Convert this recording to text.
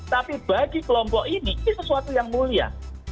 tapi bagi kelompok ini ini sesuatu yang mulia